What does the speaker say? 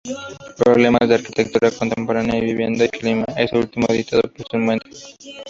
Problemas de Arquitectura Contemporánea" y "Vivienda y Clima"; este último editado póstumamente.